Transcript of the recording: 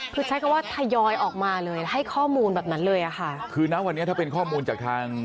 คือใช้คำว่าทยอยออกมาเลยให้ข้อมูลแบบนั้นเลยอ่ะค่ะคือนะวันนี้ถ้าเป็นข้อมูลจากทาง